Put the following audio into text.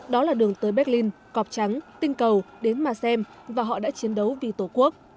đó là đường tới berlin cọp trắng tinh cầu đến mà xem và họ đã chiến đấu vì tổ quốc